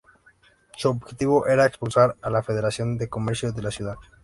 Su objetivo era expulsar a la Federación de Comercio de la ciudad.